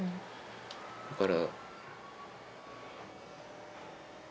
だから。